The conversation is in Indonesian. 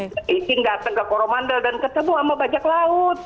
icing datang ke koromandel dan ketemu sama bajak laut